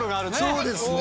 そうですね。